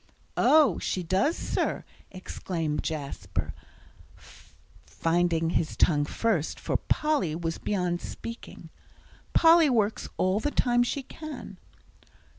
"Oh, she does, sir," exclaimed Jasper, finding his tongue first, for Polly was beyond speaking. "Polly works all the time she can."